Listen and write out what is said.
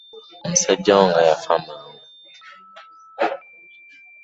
Omusajja wo nga yaffa mangu.